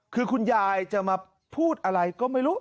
คือคุณยายจะมาพูดอะไรก็ไม่รู้